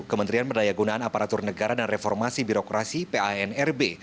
kementerian berdaya gunaan aparatur negara dan reformasi birokrasi panrb